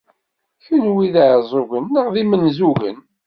Kenwi d iɛeẓẓugen neɣ d imenzugen?